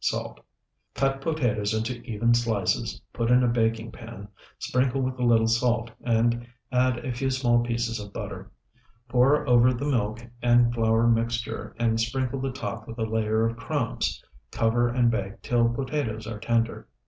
Salt. Cut potatoes into even slices, put in a baking pan, sprinkle with a little salt, and a few small pieces of butter. Pour over the milk and flour mixture, and sprinkle the top with a layer of crumbs. Cover and bake till potatoes are tender.